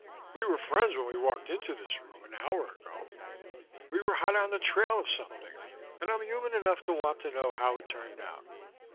We were friends when we walked into this room an hour ago. We were hot on the trail of something, and I'm human enough to want to know how it turned out."